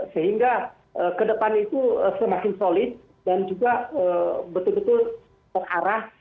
sehingga ke depan itu semakin solid dan juga betul betul terarah